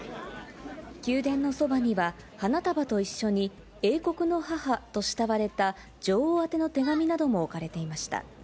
宮殿のそばには、花束と一緒に英国の母と慕われた女王宛ての手紙なども置かれていました。